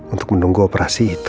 untuk menunggu operasi itu